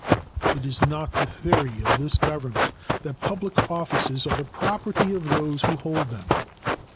It is not the theory of this Government that public offices are the property of those who hold them.